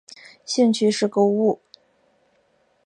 兴趣是购物。